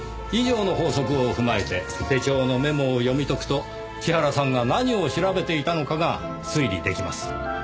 以上の法則を踏まえて手帳のメモを読み解くと千原さんが何を調べていたのかが推理出来ます。